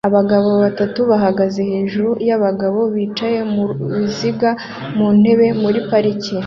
Abagabo batatu bahagaze hejuru yabagabo bicaye muruziga ku ntebe muri parike